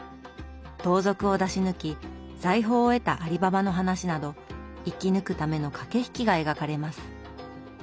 盗賊を出し抜き財宝を得たアリババの話など生き抜くための駆け引きが描かれます。